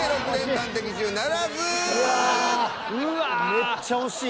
めっちゃ惜しい。